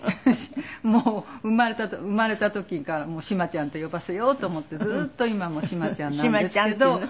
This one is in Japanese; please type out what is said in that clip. もう生まれた時から「志麻ちゃん」と呼ばせようと思ってずっと今も「志麻ちゃん」なんですけど。